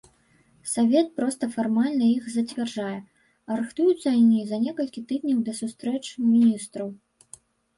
Савет проста фармальна іх зацвярджае, а рыхтуюцца яны за некалькі тыдняў да сустрэч міністраў.